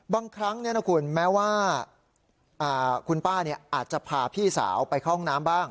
บางครั้งคุณแม้ว่าคุณป้าอาจจะพาพี่สาวไปเข้าห้องน้ำบ้าง